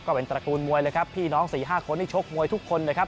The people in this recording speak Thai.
เป็นตระกูลมวยเลยครับพี่น้อง๔๕คนที่ชกมวยทุกคนนะครับ